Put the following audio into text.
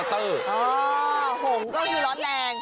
หงก็คือร้อนแรง